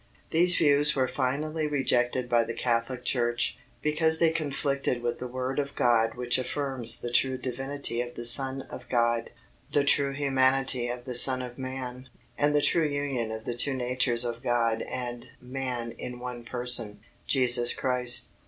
These views were finally rejected by the Catholic Church, because they conflicted with the Word of God which affirms the true Divinity of the Son of God, the true humanity of the Son of Man, and the true union of the two natures of God and man in One Person, Jesus Christ.